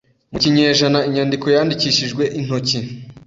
mukinyejana Inyandiko yandikishijwe intoki